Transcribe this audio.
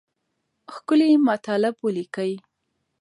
ښکلي مطالب ولیکئ.